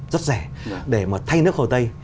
rất rẻ để mà thay nước hồ tây